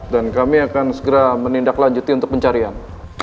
dan kami akan segera menindak lanjut untuk pencarian